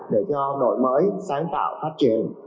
để cho đội mới sáng tạo phát triển